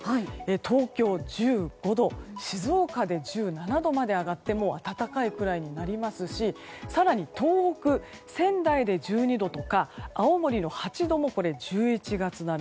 東京、１５度静岡で１７度まで上がってもう暖かいくらいになりますし更に東北、仙台で１２度とか青森の８度も１１月並み。